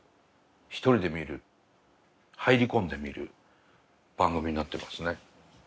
一人で見る入り込んで見る番組になってますね。